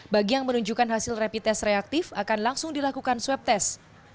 bagi yang menunjukkan hasil rapid test reaktif akan langsung dilakukan swab test